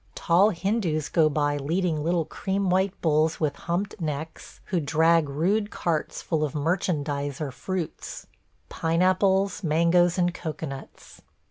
Tall Hindoos go by leading little cream white bulls with humped necks, who drag rude carts full of merchandise or fruits – pineapples, mangoes, and cocoanuts.